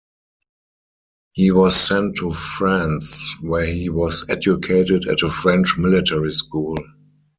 He was sent to France where he was educated at a French military school.